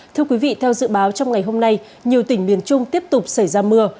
thưa quý vị theo dự báo trong ngày hôm nay nhiều tỉnh miền trung tiếp tục xảy ra mưa